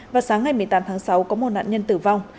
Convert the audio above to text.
vào sáng ngày một mươi tám tháng sáu có một nạn nhân tử vong